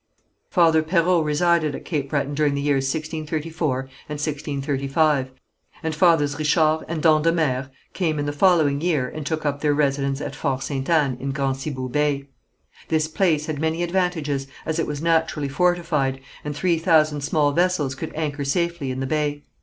Father Perrault resided at Cape Breton during the years 1634 and 1635, and Fathers Richard and d'Endemare came in the following year and took up their residence at Fort Ste. Anne in Grand Cibou Bay. This place had many advantages, as it was naturally fortified, and three thousand small vessels could anchor safely in the bay.